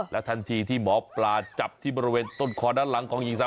ทันทีที่หมอปลาจับที่บริเวณต้นคอด้านหลังของหญิงสาว